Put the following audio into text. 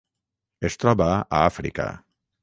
Es troba a Àfrica: